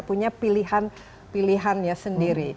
punya pilihan pilihannya sendiri